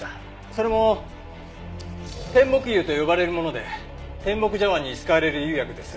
それも天目釉と呼ばれるもので天目茶碗に使われる釉薬です。